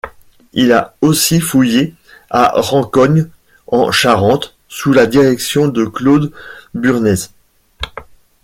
Il a aussi fouillé à Rancogne en Charente, sous la direction de Claude Burnez.